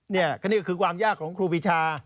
นี่ก็คือความยากของครูปีชา